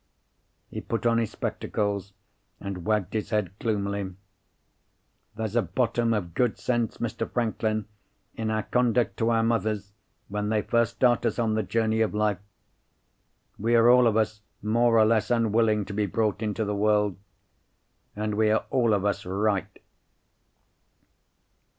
He put on his spectacles, and wagged his head gloomily. "There's a bottom of good sense, Mr. Franklin, in our conduct to our mothers, when they first start us on the journey of life. We are all of us more or less unwilling to be brought into the world. And we are all of us right."